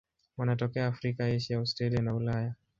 Wanatokea Afrika, Asia, Australia na Ulaya.